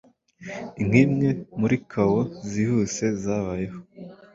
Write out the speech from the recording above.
nk’imwe muri kawo zihuse zabayeho